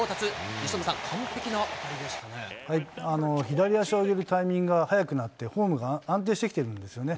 由伸さん、左足を上げるタイミングが早くなって、フォームが安定してきてるんですよね。